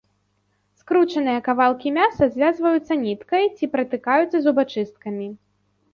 Скручаныя кавалкі мяса звязваюцца ніткай, ці пратыкаюцца зубачысткамі.